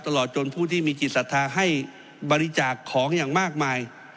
ตลอดจนผู้ที่มีจิตศรัทธาให้บริจาคของอย่างมากมาย